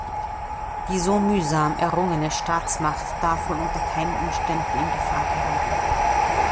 Die so mühsam errungene Staatsmacht darf wohl unter keinen Umständen in Gefahr geraten.